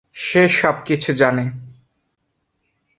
সে সবকিছু জানে।